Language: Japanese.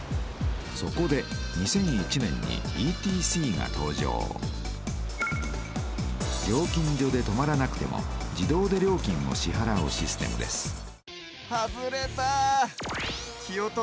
そこで２００１年にＥＴＣが登場料金所で止まらなくても自動で料金を支はらうシステムです